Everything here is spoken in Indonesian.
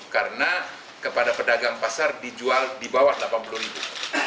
karena kepada pedagang pasar dijual di bawah delapan puluh ribu